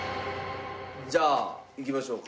じゃあいきましょうか。